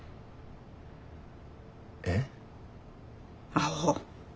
アホ。